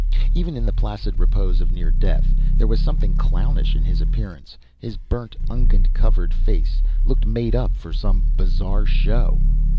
Even in the placid repose of near death there was something clownish about his appearance. His burned, ungent covered face looked made up for some bizarre show.